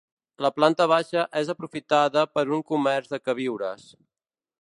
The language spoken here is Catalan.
La planta baixa és aprofitada per a un comerç de queviures.